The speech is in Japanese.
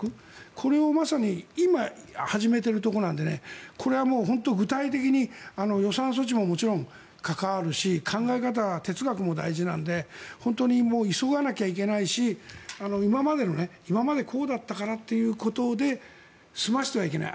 これをまさに今始めているところなのでこれは具体的に予算措置ももちろん関わるし考え方、哲学も大事なので急がなきゃいけないし、今までこうだったからということで済ませてはいけない。